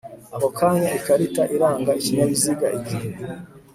ako kanya ikarita iranga ikinyabiziga igihe